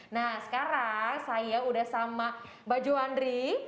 nah sekarang saya udah sama mbak johandri